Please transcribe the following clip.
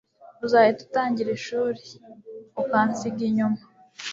Uzahita utangira ishuri ukansiga inyuma